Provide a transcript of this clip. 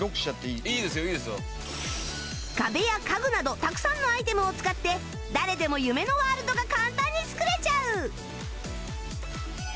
壁や家具などたくさんのアイテムを使って誰でも夢のワールドが簡単に作れちゃう！